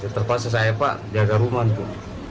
terpaksa saya pak jaga rumah itu